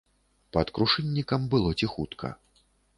Пад крушыннікам было ціхутка.